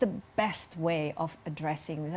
maksud saya apakah ini adalah